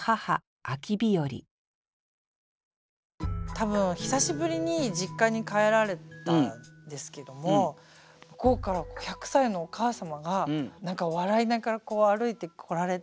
多分久しぶりに実家に帰られたんですけども向こうから百歳のお母様が何か笑いながら歩いて来られた。